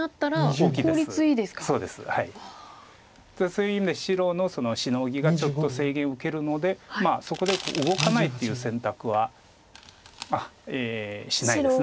そういう意味で白のシノギがちょっと制限受けるのでそこで動かないっていう選択はしないです。